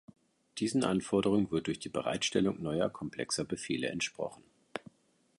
Diesen Anforderungen wird durch die Bereitstellung neuer komplexer Befehle entsprochen.